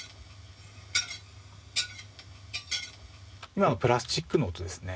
今のプラスチックの音ですね。